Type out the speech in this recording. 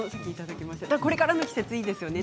これからの季節いいですよね